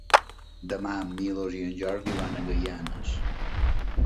Demà en Milos i en Jordi van a Gaianes.